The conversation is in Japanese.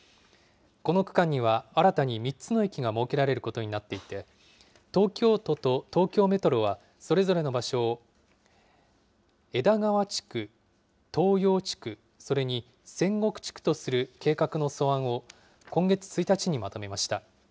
この区間には、新たに３つの駅が設けられることになっていて、東京都と東京メトロは、それぞれの場所を、枝川地区、東陽地区、それに千石地区とする計画の素案を、今月１日にまとめました。